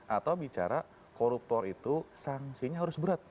atau bicara koruptor itu sanksinya harus berat